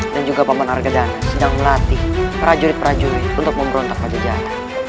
dan juga paman arga dana sedang melatih para jurid jurid untuk pemberontak pajajaran